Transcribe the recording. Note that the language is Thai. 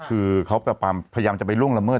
คือเขาพยายามจะไปล่วงละเมิด